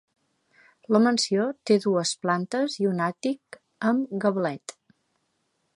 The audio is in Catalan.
La mansió té dues plantes i un àtic amb gablet.